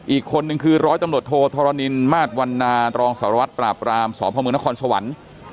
อีกคนนึงคือร้อยตำรวจโทธรณินมาสวันนารองสารวัตรปราบรามสพมนครสวรรค์